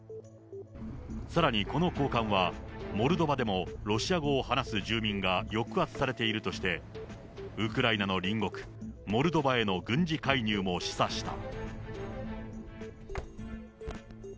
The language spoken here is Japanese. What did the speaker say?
さらにこの高官は、モルドバでもロシア語を話す住民が抑圧されているとして、ウクライナの隣国、モルドバへの軍事介入も示唆した。